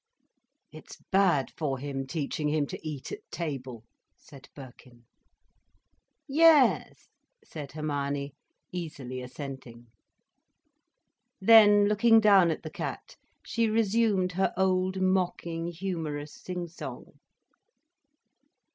"It's bad for him, teaching him to eat at table," said Birkin. "Yes," said Hermione, easily assenting. Then, looking down at the cat, she resumed her old, mocking, humorous sing song.